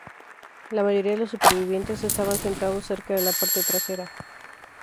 La mayoría de los supervivientes estaban sentados cerca de la parte trasera.